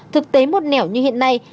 thực tế một nẻo như hiện nay